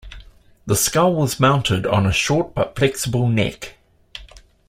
The skull was mounted on a short but flexible neck.